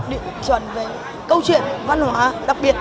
định chuẩn về câu chuyện văn hóa đặc biệt